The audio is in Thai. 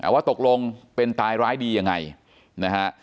ว่าตกลงเป็นตายร้ายดียังไงนะฮะ